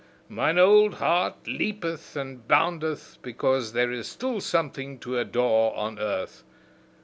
Mine old heart leapeth and boundeth because there is still something to adore on earth.